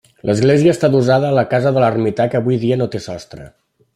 L'església està adossada a la casa de l'ermità que avui dia no té sostre.